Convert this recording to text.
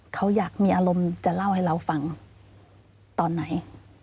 เขาอยากมีอารมณ์จะเล่าให้เราฟังตอนไหน